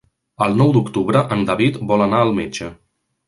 El nou d'octubre en David vol anar al metge.